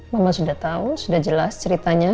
mama sudah tahu sudah jelas ceritanya